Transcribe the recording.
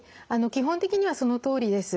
基本的にはそのとおりです。